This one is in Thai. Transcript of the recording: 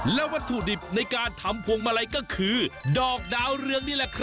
และวัตถุดิบในการทำพวงมาลัยก็คือ